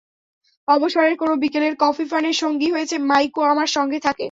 অবসরের কোনো বিকেলের কফি পানের সঙ্গী হয়েছে মাইকো আমার সঙ্গে থাকে।